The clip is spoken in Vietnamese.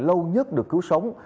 lâu nhất được cứu sống